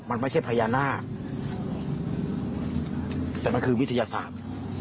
มันไม่ใช่พญานาคแต่มันคือวิทยาศาสตร์